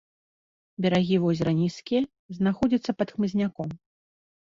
Берагі возера нізкія, знаходзяцца пад хмызняком.